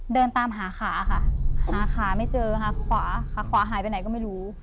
เดินตามหาขาค่ะหาขาไม่เจอค่ะขวาขาขวาหายไปไหนก็ไม่รู้